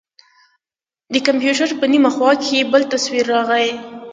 د کمپيوټر په نيمه خوا کښې بل تصوير راغى.